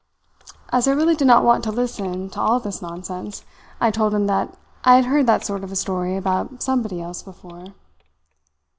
As I really did not want to listen to all this nonsense, I told him that I had heard that sort of story about somebody else before.